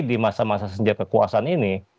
di masa masa sejak kekuasaan ini